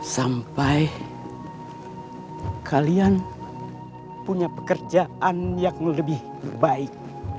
sampai kalian punya pekerjaan yang lebih baik